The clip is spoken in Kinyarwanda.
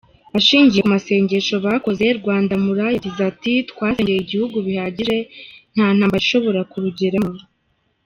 Ashingiye ku masengesho bakoze, Rwandamura yagize ati ”Twasengeye igihugu bihagije, nta ntambara ishobora kurugeramo.